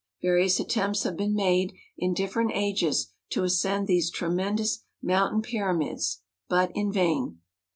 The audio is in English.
Various attempts have been made, in different ages to ascend these tremendous mountain pyramids, but MOUNT ARARAT. 213 ill vain.